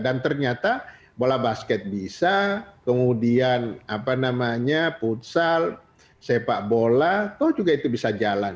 dan ternyata bola basket bisa kemudian apa namanya futsal sepak bola itu juga bisa jalan